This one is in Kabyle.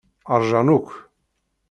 Ṛjan akk.